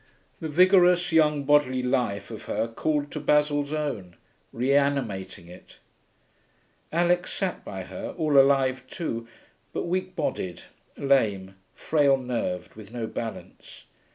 The vigorous young bodily life of her called to Basil's own, re animating it. Alix sat by her, all alive too, but weak bodied, lame, frail nerved, with no balance.